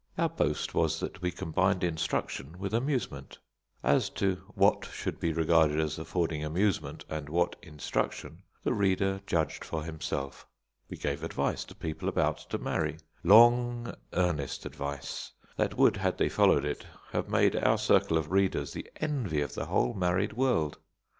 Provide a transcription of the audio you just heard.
Our boast was that we combined instruction with amusement; as to what should be regarded as affording amusement and what instruction, the reader judged for himself. We gave advice to people about to marry long, earnest advice that would, had they followed it, have made our circle of readers the envy of the whole married world.